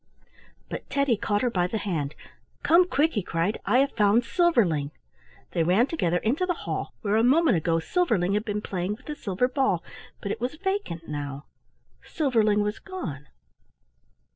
But Teddy caught her by the hand. "Come quick!" he cried, "I have found Silverling." They ran together into the hall where a moment ago Silverling had been playing with the silver ball, but it was vacant now; Silverling was gone.